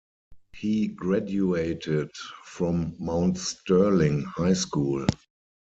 He graduated from Mount Sterling High School.